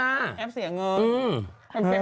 แอปเสียเงิน